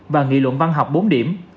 và nghị luận văn học bốn điểm